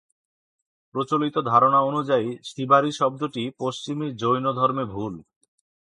প্রচলিত ধারণা অনুযায়ী 'শিবাড়ি' শব্দটি পশ্চিমী জৈনধর্মে ভুল।